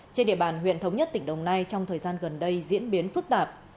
trên địa bàn huyện thống nhất tỉnh đồng nai trong thời gian gần đây diễn biến phức tạp